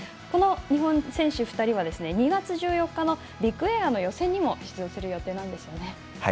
この日本選手２人は２月１４日のビッグエア予選にも出場する予定なんですね。